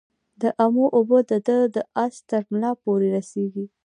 د امو اوبه د ده د آس ترملا پوري رسیږي.